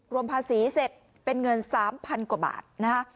รวมภาษีเสร็จเป็นเงิน๓๐๐๐กว่าบาทนะฮะ